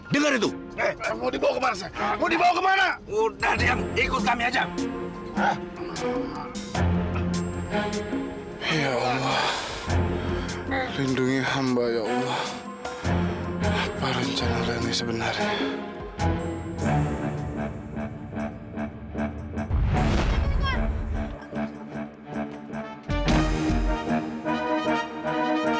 ya allah lindungi hamba ya allah apa rencana leni sebenarnya